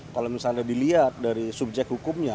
kalau dilihat dari subjek hukumnya